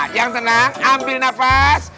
yang tenang ambil nafas